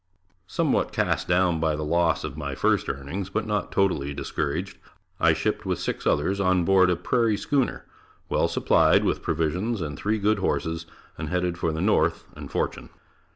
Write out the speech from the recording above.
Somewhat cast down by the loss of my first earnings, but not totally discouraged, I shipped with six others on board a prairie schooner, well supplied with provisions and three good horses and headed for the north and fortune.